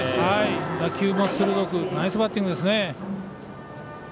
打球も鋭くナイスバッティングですね。